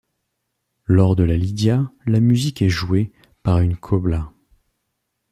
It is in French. Lors de la lidia, la musique est jouée par une cobla.